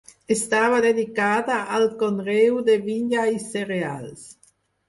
Estava dedicada al conreu de vinya i cereals.